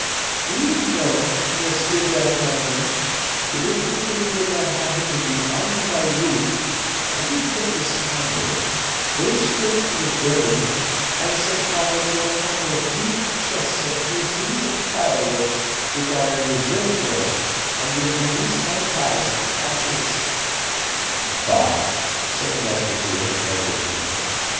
Do you know, Monsieur d'Artagnan, that if the king did not happen to be under my roof, I would take this candle, go straight to the dome, and set fire to a couple of huge chests of fusees and fireworks which are in reserve there, and would reduce my palace to ashes." "Bah!" said the musketeer, negligently.